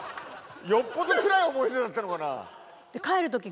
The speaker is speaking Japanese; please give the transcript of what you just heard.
よっぽどつらい思い出だったのかな。